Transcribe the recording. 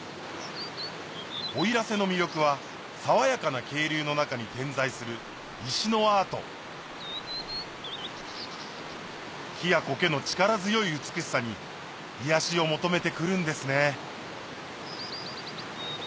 奥入瀬の魅力は爽やかな渓流の中に点在する石のアート木や苔の力強い美しさに癒やしを求めて来るんですね